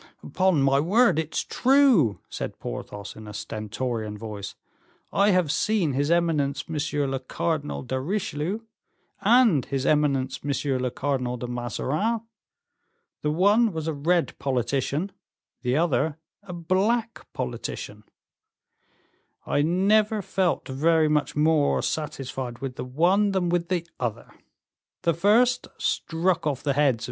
"Upon my word, it's true," said Porthos, in a stentorian voice. "I have seen his eminence Monsieur le Cardinal de Richelieu, and his eminence Monsieur le Cardinal de Mazarin; the one was a red politician, the other a black politician; I never felt very much more satisfied with the one than with the other; the first struck off the heads of M.